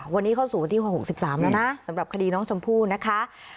วันนี้เข้าสู่วันที่๖๓แล้วนะสำหรับคดีน้องชมพู่นะคะ